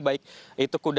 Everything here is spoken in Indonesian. baik itu kuda